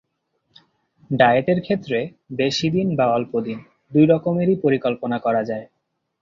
ডায়েটের ক্ষেত্রে বেশি দিন বা অল্প দিন দুই রকমেরই পরিকল্পনা করা য়ায়।